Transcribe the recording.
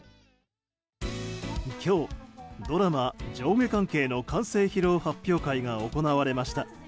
今日、ドラマ「上下関係」の完成披露発表会が行われました。